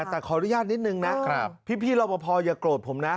แต่ขออนุญาตนิดนึงนะพี่รอบพออย่าโกรธผมนะ